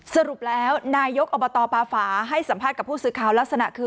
สรุปแล้วนายกอบตปาฝาให้สัมภาษณ์กับผู้สื่อข่าวลักษณะคือ